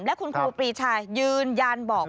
และคุณครูปรีชายืนยันบอก